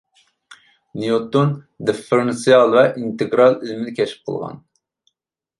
نيۇتون دىففېرېنسىئال ۋە ئىنتېگرال ئىلمىنى كەشىپ قىلغان